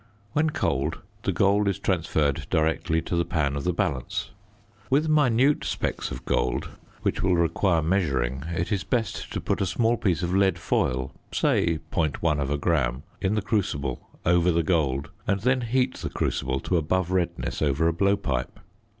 When cold, the gold is transferred directly to the pan of the balance. With minute specks of gold which will require measuring, it is best to put a small piece of lead foil (say .1 gram) in the crucible over the gold, and then heat the crucible to above redness over a blowpipe.